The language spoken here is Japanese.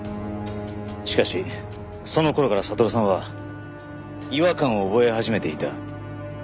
しかしその頃から悟さんは違和感を覚え始めていた。